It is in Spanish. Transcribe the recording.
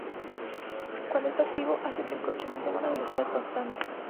Cuando está activado, hace que el coche mantenga una velocidad constante.